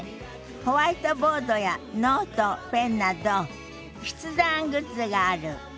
ホワイトボードやノートペンなど筆談グッズがある。